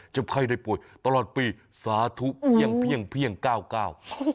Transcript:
ไข้ได้ป่วยตลอดปีสาธุเพียงเพียงเก้าเก้า